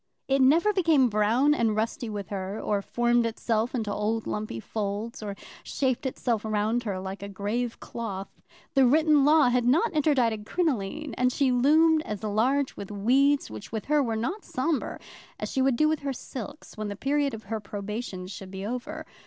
It never became brown and rusty with her, or formed itself into old lumpy folds, or shaped itself round her like a grave cloth. The written law had not interdicted crinoline, and she loomed as large with weeds, which with her were not sombre, as she would do with her silks when the period of her probation should be over.